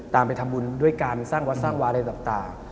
ไปทำบุญด้วยการสร้างวัดสร้างวาอะไรต่าง